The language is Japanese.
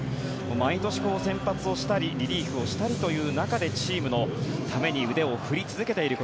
毎年、先発をしたりリリーフをしたりという中でチームのために腕を振り続けている